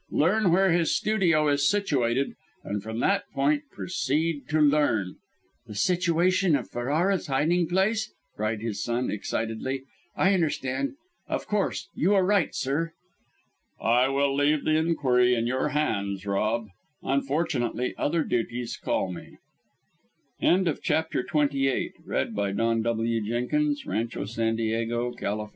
Learn where his studio is situated, and, from that point, proceed to learn " "The situation of Ferrara's hiding place?" cried his son, excitedly. "I understand! Of course; you are right, sir." "I will leave the inquiry in your hands, Rob. Unfortunately other duties call me." CHAPTER XXIX THE WIZARD'S DEN Robert Cairn entered a photographer's shop in Baker Street.